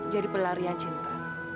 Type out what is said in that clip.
jadi pelarian cinta